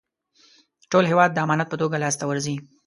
ټول هېواد د امانت په توګه لاسته ورځي.